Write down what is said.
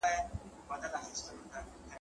ځان، پلرونو تاريخ